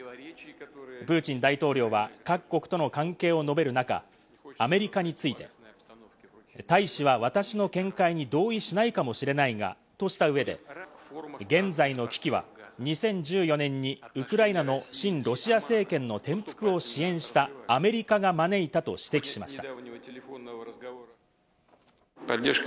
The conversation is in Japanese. プーチン大統領は各国との関係を述べる中、アメリカについて、大使は私の見解に同意しないかもしれないがとした上で、現在の危機は２０１４年にウクライナの親ロシア政権の転覆を支援したアメリカが招いたと指摘しました。